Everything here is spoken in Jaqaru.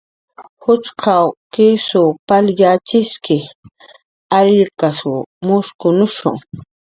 Juchqaq kisw pal yatxiski, ariyankasw mushkunushu